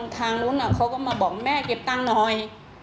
ทางนู้นเขาก็มาบอกแม่เก็บตังค์หน่อย